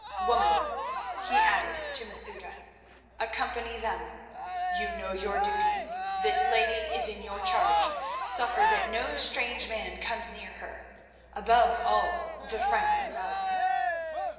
Woman," he added to Masouda, "accompany them. You know your duties; this lady is in your charge. Suffer that no strange man comes near her—above all, the Frank Lozelle.